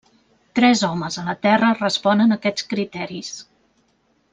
Tres homes a la Terra responen a aquests criteris.